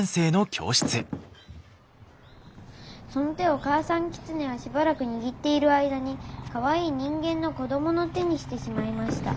「その手を母さんキツネはしばらくにぎっている間にかわいい人間の子供の手にしてしまいました。